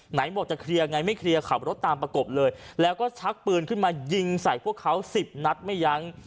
ไหนบอกจะเคลียร์ไงไม่เคลียร์ขับรถตามประกบเลยแล้วก็ชักปืนขึ้นมายิงใส่พวกเขาสิบนัดไม่ยั้ง